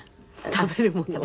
食べるものが。